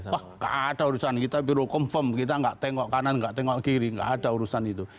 wah gak ada urusan kita biro confirm kita nggak tengok kanan nggak tengok kiri nggak ada urusan itu